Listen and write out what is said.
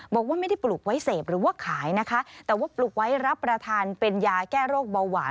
บอกว่าไม่ได้ปลูกไว้เสพหรือว่าขายนะคะแต่ว่าปลูกไว้รับประทานเป็นยาแก้โรคเบาหวาน